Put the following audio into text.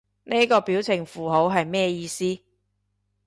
呢個表情符號係咩意思？